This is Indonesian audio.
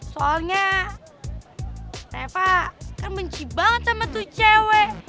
soalnya pak kan benci banget sama tuh cewek